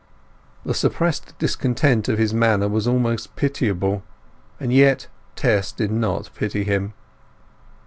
The suppressed discontent of his manner was almost pitiable, and yet Tess did not pity him.